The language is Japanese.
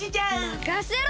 まかせろ！